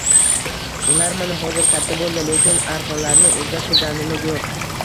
Ular mana hozir katta boʻldi, lekin arqonlarni oʻzgartirganimiz yoʻq.